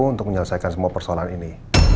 untuk menyelesaikan semua persoalan ini